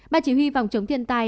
ban chỉ huy phòng chống thiên tai